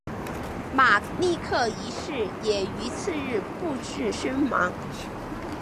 马立克一世也于次日不治身亡。